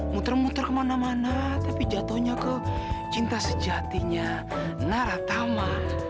muter muter kemana mana tapi jatuhnya ke cinta sejatinya naratama